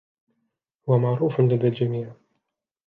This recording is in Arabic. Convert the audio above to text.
هو معروف لدى الجميع.